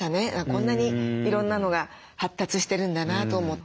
こんなにいろんなのが発達してるんだなと思って。